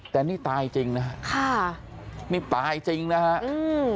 แต่นี่ตายจริงนะฮะค่ะนี่ตายจริงนะฮะอืม